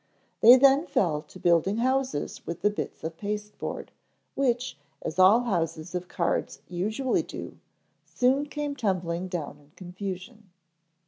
They then fell to building houses with the bits of pasteboard, which, as all houses of cards usually do, soon came tumbling down in confusion.